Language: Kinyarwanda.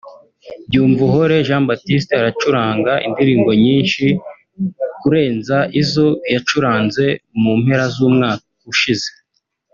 Byumvuhore Jean Baptiste aracuranga indirimbo nyinsi kurenza izo yacuranze mu mpera z’umwaka ushize